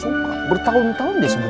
kan mau ketemu sama